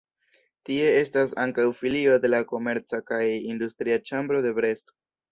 Tie estas ankaŭ filio de la komerca kaj industria ĉambro de Brest.